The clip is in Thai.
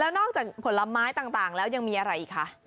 แล้วนอกจากผลไม้ต่างแล้วยังมีอะไรคะ